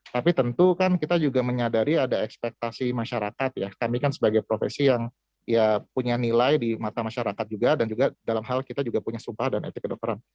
tapi tentu kan kita juga menyadari ada ekspektasi masyarakat ya kami kan sebagai profesi yang ya punya nilai di mata masyarakat juga dan juga dalam hal kita juga punya sumpah dan etik kedokteran